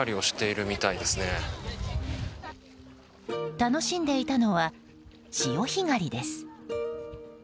楽しんでいたのは潮干狩りです。